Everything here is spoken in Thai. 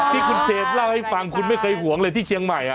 ที่คุณเชนเล่าให้ฟังคุณไม่เคยห่วงเลยที่เชียงใหม่